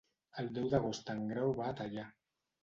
El deu d'agost en Grau va a Teià.